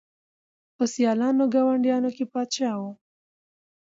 په سیالانو ګاونډیانو کي پاچا وو